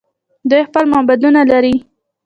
دوی خپل معبدونه لري.